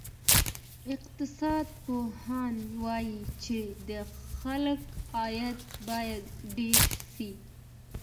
اقتصاد پوهانو وویل چې د خلکو عاید باید ډېر سي.